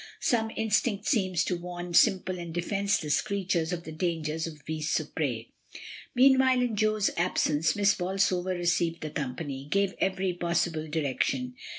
Some instinct seems to warn simple and defenceless creatures of the dangers of beasts of prey. Meanwhile, in Jo's absence, Miss Bolsover re ceived the company, gave every possible direction.